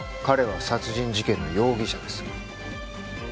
彼は殺人事件の容疑者です